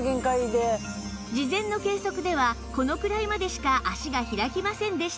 事前の計測ではこのくらいまでしか脚が開きませんでしたが